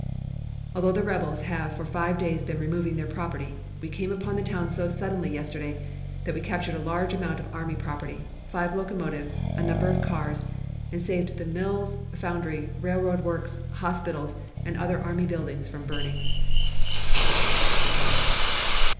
"Although the rebels have for five days been removing their property, we came upon the town so suddenly yesterday that we captured a large amount of army property, five locomotives, a number of cars, and saved the mills, foundry, railroad works, hospitals, and other army buildings from burning.